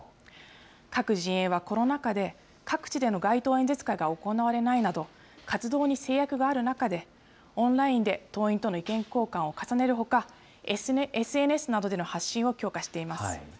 各陣営はコロナ禍で、各地での街頭演説会が行われないなど、活動に制約がある中で、オンラインで党員との意見交換を重ねるほか、ＳＮＳなどでの発信を強化しています。